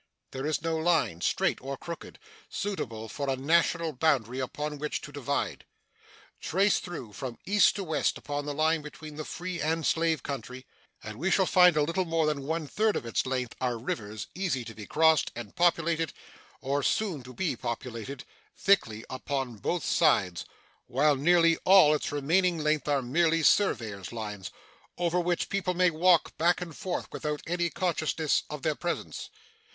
There is no line, straight or crooked, suitable for a national boundary upon which to divide. Trace through, from east to west, upon the line between the free and slave country, and we shall find a little more than one third of its length are rivers, easy to be crossed, and populated, or soon to be populated, thickly upon both sides; while nearly all its remaining length are merely surveyors' lines, over which people may walk back and forth without any consciousness of their presence.